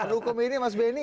hukum ini mas beni